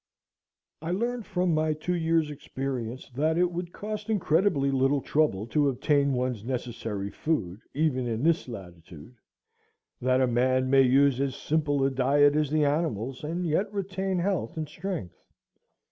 I learned from my two years' experience that it would cost incredibly little trouble to obtain one's necessary food, even in this latitude; that a man may use as simple a diet as the animals, and yet retain health and strength.